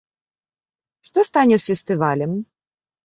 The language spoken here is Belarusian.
Што стане з фестывалем?